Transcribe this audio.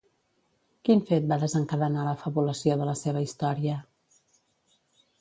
Quin fet va desencadenar la fabulació de la seva història?